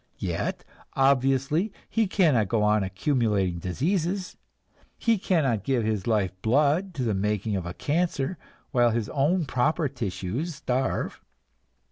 Yet, obviously, he cannot go on accumulating diseases, he cannot give his life blood to the making of a cancer while his own proper tissues starve.